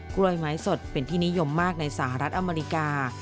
กล้วยไม้สดเป็นที่นิยมมากในสหรัฐอเมริกา